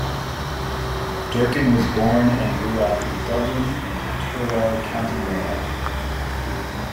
Durcan was born and grew up in Dublin and in Turlough, County Mayo.